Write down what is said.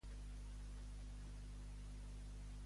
Hi ha més opcions sense lactosa a la Galeria o l'Esglaó?